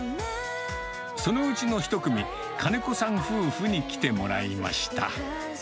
そのうちの１組、金子さん夫婦に来てもらいました。